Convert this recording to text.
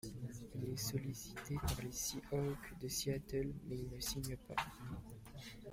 Il est sollicité par les Seahawks de Seattle mais il ne signe pas.